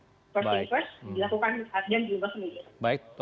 dilakukan dan diubah sendiri